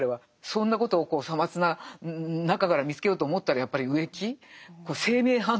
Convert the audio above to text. そんなことをさまつな中から見つけようと思ったらやっぱり植木。